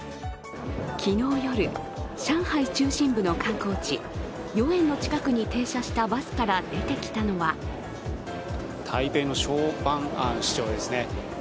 昨日夜、上海中心部の観光地豫園の近くに停車したバスから出てきたのは台北の蒋万安市長ですね。